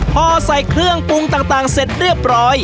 พอใส่เครื่องปรุงต่างเสร็จเรียบร้อย